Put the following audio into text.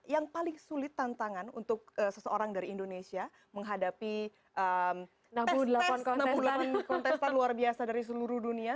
yang paling sulit tantangan untuk seseorang dari indonesia menghadapi kontestan luar biasa dari seluruh dunia